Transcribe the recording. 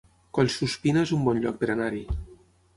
Collsuspina es un bon lloc per anar-hi